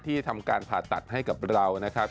ทำการผ่าตัดให้กับเรานะครับ